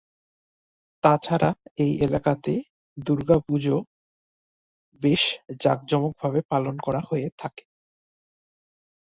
তাছাড়া এই এলাকাতে দুর্গা পূজা বেশ যাক-জোমকভাবে পালন করা হয়ে থাকে।